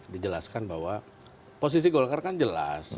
dijelaskan bahwa posisi golkar kan jelas